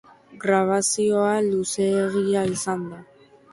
Grabazioa luzeegia izan da.